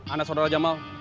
anda saudara jamal